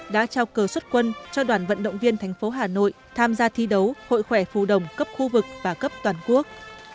đã trao cờ xuất quân cho đoàn vận động viên tp hà nội tham gia thi đấu hội khỏe phu động cấp khu vực và cấp toàn quốc